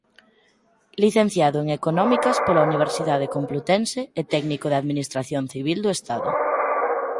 Licenciado en Económicas pola Universidade Complutense e técnico de Administración Civil do Estado.